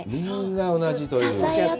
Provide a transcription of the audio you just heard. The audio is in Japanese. みんな、同じという。